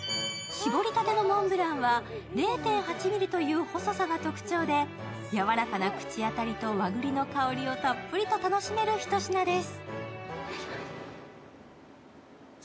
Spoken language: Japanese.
搾りたてのモンブランは０．８ｍｍという細さが特徴でやわらかな口当たりと和栗の香りをたっぷりと楽しめるひと品です。